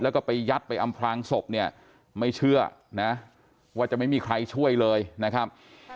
แล้วก็ไปยัดไปอำพลางศพเนี่ยไม่เชื่อนะว่าจะไม่มีใครช่วยเลยนะครับ